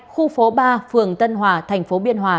khu phố ba phường tân hòa thành phố biên hòa